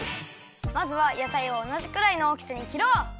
まずは野菜をおなじくらいのおおきさに切ろう！